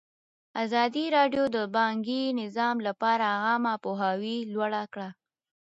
ازادي راډیو د بانکي نظام لپاره عامه پوهاوي لوړ کړی.